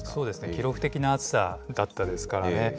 記録的な暑さだったですからね。